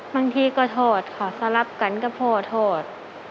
บางทีก็ถดขสรับกันก็โภษร์ถด